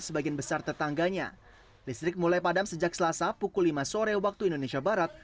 sebagian besar tetangganya listrik mulai padam sejak selasa pukul lima sore waktu indonesia barat